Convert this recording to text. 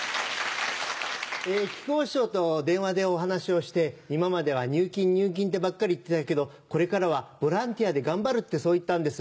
木久扇師匠と電話でお話をして「今までは入金入金ってばっかり言ってたけどこれからはボランティアで頑張る」ってそう言ったんです。